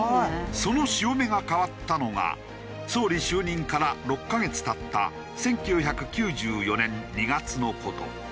その潮目が変わったのが総理就任から６カ月経った１９９４年２月の事。